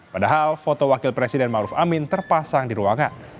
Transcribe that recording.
padahal foto wakil presiden maruf amin terpasang di ruangan